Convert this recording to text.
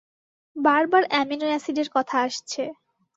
বারবার এ্যামিনো অ্যাসিডের কথা আসছে।